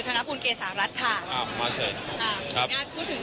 ธนพุนเกษารัฐค่ะครับมาเชิญครับแล้วก็พูดถึง